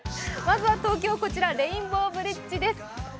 まずは東京、こちらレインボーブリッジです。